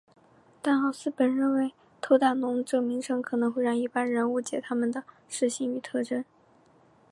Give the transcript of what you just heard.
但奥斯本认为偷蛋龙这名称可能会让一般人误解它们的食性与特征。